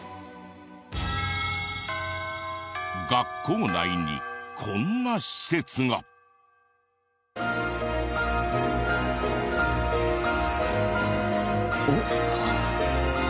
学校内にこんな施設が。おっ？あっ。